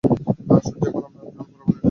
সূর্য এখন আপনার জন্য পুরোপুরি নিরাপদ।